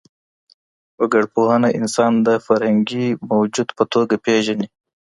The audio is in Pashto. وګړپوهنه انسان د فرهنګي موجود په توګه پېژني.